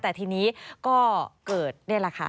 แต่ทีนี้ก็เกิดนี่แหละค่ะ